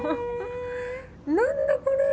何だこれ。